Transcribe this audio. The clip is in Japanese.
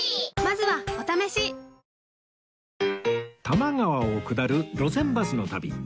多摩川を下る路線バスの旅